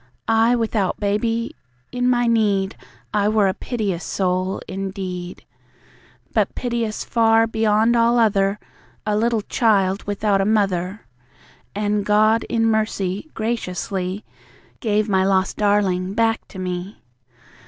I without Baby? In my need I were a piteous soul indeed. But piteous far, beyond all other, A little child without a mother. And God, in mercy, graciously Gave my lost darling back to me.